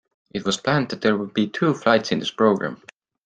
It was planned that there would be two flights in this program.